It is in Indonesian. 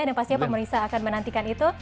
dan pak mirsa akan menantikan itu